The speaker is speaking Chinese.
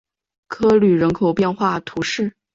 科吕人口变化图示